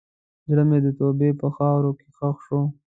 زړه مې د توبې په خاوره کې ښخ شو.